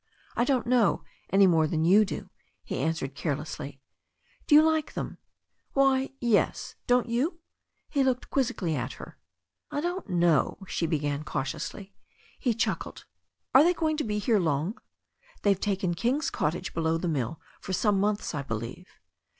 "I don't know, any more than you do," he answered care lessly. "Do you like them ?" "Why, yes, don't you?" He looked quizzically at her. "I don't know," she began cautiously. He chuckled. "Are they going to be here long?" "They've taken King's cottage below the mill for some months, I believe."